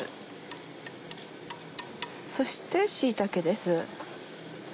そして椎茸です。